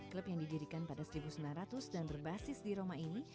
klub yang didirikan pada seribu sembilan ratus dan berbasis di roma ini